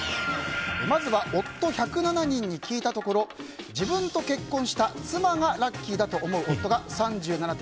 まずは夫１０７人に聞いたところ自分と結婚した妻がラッキーという夫が３７．４％